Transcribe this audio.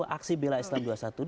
aksi bela islam dua ratus dua belas